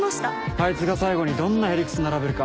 あいつが最後にどんな屁理屈並べるか。